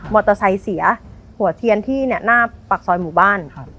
เตอร์ไซค์เสียหัวเทียนที่เนี่ยหน้าปากซอยหมู่บ้าน